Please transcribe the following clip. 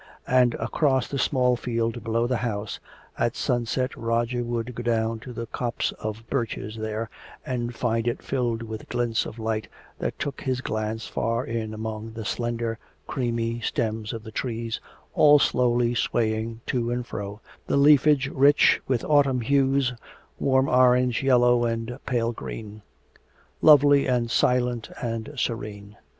And across the small field below the house, at sunset Roger would go down to the copse of birches there and find it filled with glints of light that took his glance far in among the slender, creamy stems of the trees, all slowly swaying to and fro, the leafage rich with autumn hues, warm orange, yellow and pale green. Lovely and silent and serene.